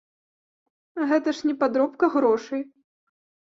Гэта ж не падробка грошай.